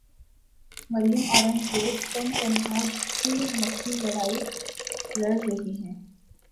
مریم اورنگزیب تن تنہا چو مکھی لڑائی لڑ رہی ہیں۔